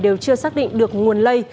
đều chưa xác định được nguồn lây